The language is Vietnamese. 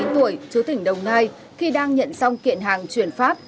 hai mươi chín tuổi chứa tỉnh đồng nai khi đang nhận xong kiện hàng chuyển phát